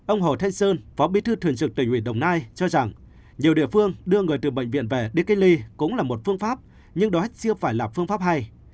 ông hồ thanh sơn phó bí thư thường trực tỉnh ủy đồng nai cho rằng nhiều địa phương đưa người từ bệnh viện về đi cách ly cũng là một phương pháp nhưng đó chưa phải là phương pháp hay